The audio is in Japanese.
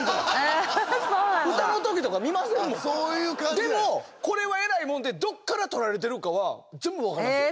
でもこれはえらいもんでどっから撮られてるかは全部分かりますよ。